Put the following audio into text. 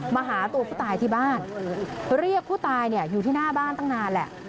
มาหาตัวผู้ตายที่บ้านเรียกผู้ตายเนี่ยอยู่ที่หน้าบ้านตั้งนานแหละ